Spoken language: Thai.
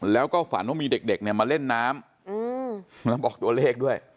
แล้วก็ฝันว่ามีเด็กเนี่ยมาเล่นน้ำแล้วบอกตัวเลขด้วย